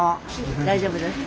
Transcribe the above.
大丈夫ですか？